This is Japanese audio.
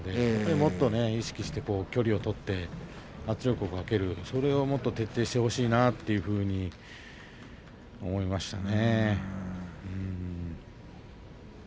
もっと意識して距離を取って圧力をかけるそれを徹底してほしいと思いましたね。